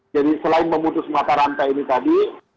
jadi selain memutus mata rantai ini tadi